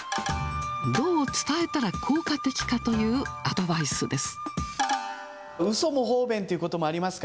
どう伝えたら効果的かというアドバイスです。